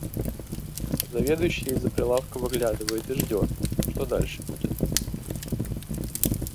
А заведующий из-за прилавка выглядывает и ждёт, что дальше будет.